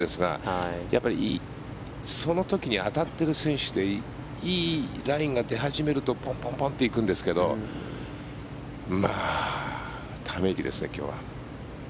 そう、設定なんですが毎年こういう難しいセットをするんですがやっぱりその時に当たっている選手でいいラインが出始めるとポンポンポンと行くんですがため息ですね、今日は。